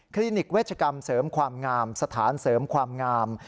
ลินิกเวชกรรมเสริมความงามสถานเสริมความงาม